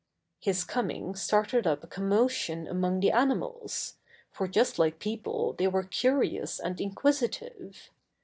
His coming started up a commotion among the animals, for just like people they were 68 Buster the Bear curious and inquisitive.